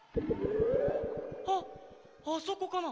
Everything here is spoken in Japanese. ・あっあそこかな？